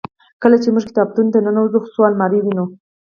کله چې موږ کتابتون ته ننوزو څو المارۍ وینو.